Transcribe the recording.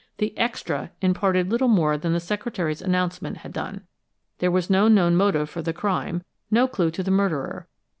The "extra" imparted little more than the secretary's announcement had done. There was no known motive for the crime, no clue to the murderer.